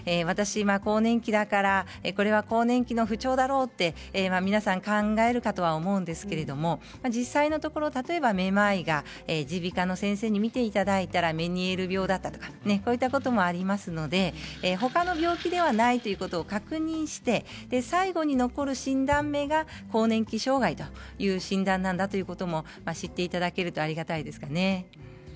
私は今、更年期だからこれは更年期の不調だろうと皆さん考えるかとは思うんですけれど実際のところ例えば、めまいが耳鼻科の先生に見ていただいたらメニエール病だったとかこういったこともありますのでほかの病気ではないということを確認して最後に残る診断名が更年期障害という診断なんだということも知っていただけるとありがたいと思います。